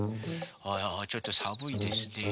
あちょっとさむいですね。